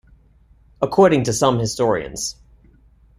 According to some historians.